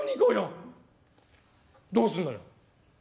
「どうすんのよ？」。